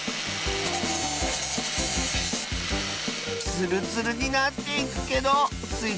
ツルツルになっていくけどスイ